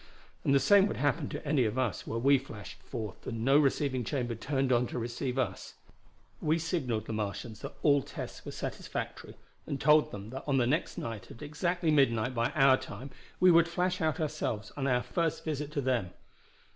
And the same would happen to any of us were we flashed forth and no receiving chamber turned on to receive us. "We signalled the Martians that all tests were satisfactory, and told them that on the next night at exactly midnight by our time we would flash out ourselves on our first visit to them.